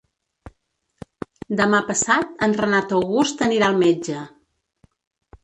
Demà passat en Renat August anirà al metge.